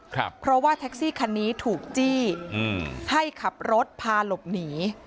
เพราะว่าแท็กซี่คันนี้ถูกจี้อืมให้ขับรถพาหลบหนี